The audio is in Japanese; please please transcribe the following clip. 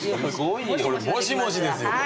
もしもしですよこれ。